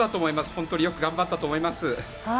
本当によく頑張ったと思います。